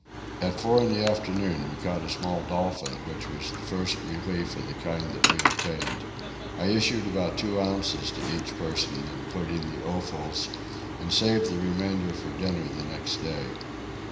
At four in the afternoon we caught a small dolphin, which was the first relief of the kind that we obtained. I issued about two ounces to each person, including the offals, and saved the remainder for dinner the next day.